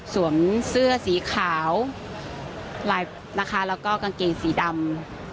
เสื้อสีขาวลายนะคะแล้วก็กางเกงสีดำ